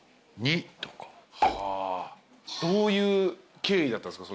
どういう経緯だったんですか？